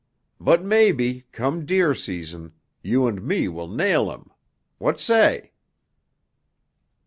But maybe, come deer season, you and me will nail him. What say?"